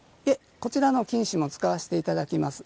こちらの金糸も使わせていただきます。